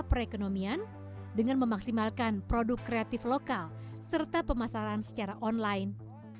perekonomian dengan memaksimalkan produk kreatif lokal serta pemasaran secara online